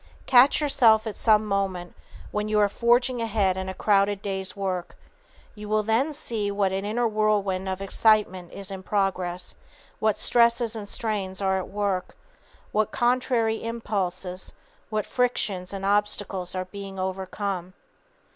Catch yourself at some moment when you are forging ahead in a crowded day's work. You will then see what an inner whirlwind of excitement is in progress, what stresses and strains are at work, what contrary impulses, what frictions and obstacles are being overcome.